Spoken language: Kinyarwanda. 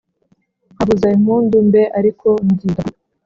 nkavuza impundu mbe ariko mbyita